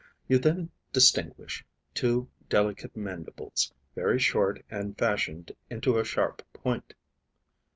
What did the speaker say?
You then distinguish two delicate mandibles, very short and fashioned into a sharp point.